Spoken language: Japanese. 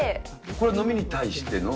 これは飲みに対しての？